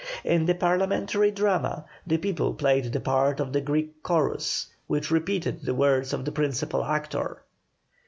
In the Parliamentary drama the people played the part of the Greek chorus, which repeated the words of the principal actor.